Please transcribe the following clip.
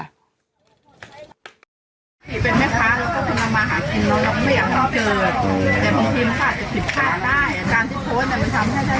พอแล้วไม่จังนะว่าถ้าเกิดมันเป็นข่าวขึ้นร้าน